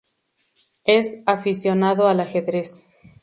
Es aficionado al ajedrez.